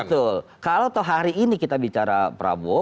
betul kalau toh hari ini kita bicara prabowo